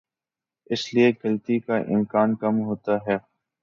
اس لیے غلطی کا امکان کم ہوتا ہے۔